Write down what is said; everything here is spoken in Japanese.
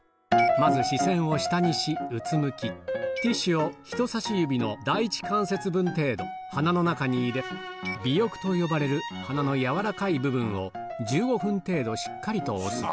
まず視線を下にし、うつむき、ティッシュを人さし指の第１関節分程度、鼻の中に入れ、鼻翼と呼ばれる鼻の柔らかい部分を１５分程度しっかりと押す。